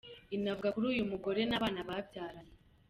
Inavuga kuri uyu mugore n’abana babyaranye.